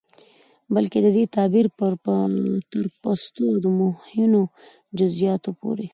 بلکې د دې تعبير تر پستو او مهينو جزيىاتو پورې